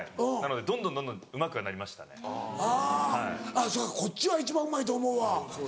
あっそうかこっちは一番うまいと思うわ。